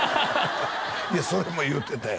いやそれも言ってたよ